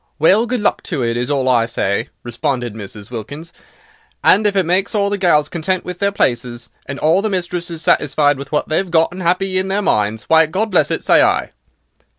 "Well, good luck to it, is all I say," responded Mrs. Wilkins, "and if it makes all the gals contented with their places, and all the mistresses satisfied with what they've got and 'appy in their minds, why, God bless it, say I."